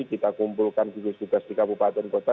kita kumpulkan gugus tugas di kabupaten kota